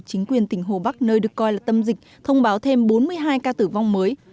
chính quyền tỉnh hồ bắc nơi được coi là tâm dịch thông báo thêm bốn mươi hai ca tử vong mới